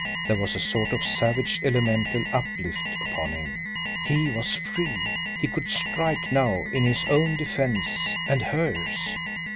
There was a sort of savage, elemental uplift upon him. He was free! He could strike now in his own defense and hers!